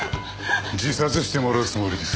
自殺してもらうつもりです。